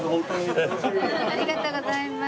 ありがとうございます。